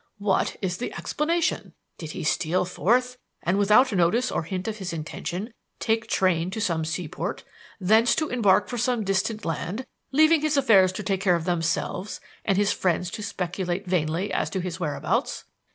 What is the explanation? Did he steal forth and, without notice or hint of his intention, take train to some seaport, thence to embark for some distant land, leaving his affairs to take care of themselves and his friends to speculate vainly as to his whereabouts?